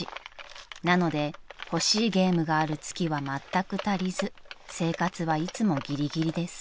［なので欲しいゲームがある月はまったく足りず生活はいつもギリギリです］